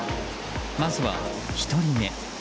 まずは１人目。